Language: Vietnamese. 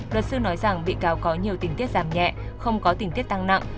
luật sư nói rằng bị cáo có nhiều tình tiết giảm nhẹ không có tình tiết tăng nặng